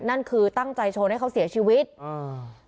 นั่นคือตั้งใจชนให้เขาเสียชีวิตอืม